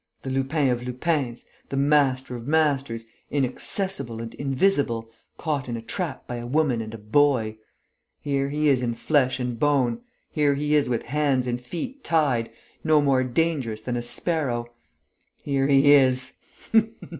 The Lupin of Lupins, the master of masters, inaccessible and invisible, caught in a trap by a woman and a boy!... Here he is in flesh and bone ... here he is with hands and feet tied, no more dangerous than a sparrow ... here is he